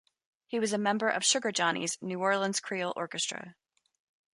He was a member of Sugar Johnnie's New Orleans Creole Orchestra.